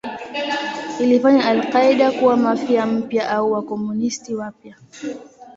Ilifanya al-Qaeda kuwa Mafia mpya au Wakomunisti wapya.